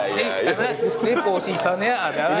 ini posisinya adalah ini